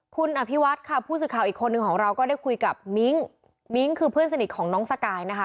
คุณอภิวัตค่ะผู้สื่อข่าวอีกคนนึงของเราก็ได้คุยกับมิ้งมิ้งคือเพื่อนสนิทของน้องสกายนะคะ